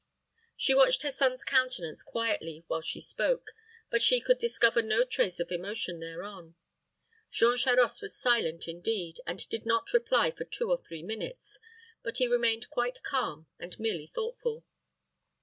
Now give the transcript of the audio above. She watched her son's countenance quietly while she spoke, but she could discover no trace of emotion thereon. Jean Charost was silent, indeed, and did not reply for two or three minutes; but he remained quite calm, and merely thoughtful.